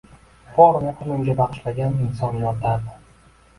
Bor mehrini unga bagʻishlagan inson yotardi.